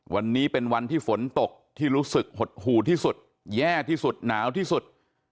วันนี้เป็นวันที่ฝนตกที่รู้สึกหดหูที่สุดแย่ที่สุดหนาวที่สุด